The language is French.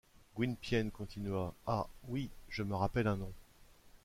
Gwynpiaine continua :— Ah oui, je me rappelle un nom.